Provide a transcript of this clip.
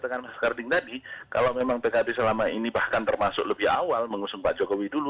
dengan mas karding tadi kalau memang pkb selama ini bahkan termasuk lebih awal mengusung pak jokowi dulu